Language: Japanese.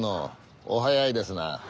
お早いですな。